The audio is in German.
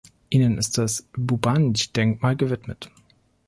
Ihnen ist das Bubanj-Denkmal gewidmet.